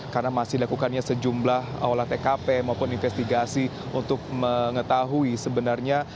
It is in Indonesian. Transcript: karena masih dilakukannya sejumlah olah tkp maupun investigasi untuk mengetahui sebenarnya